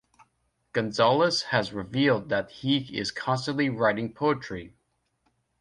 Gonzales has revealed that he is constantly writing poetry.